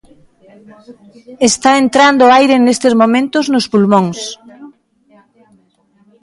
Está entrando aire nestes momentos nos pulmóns.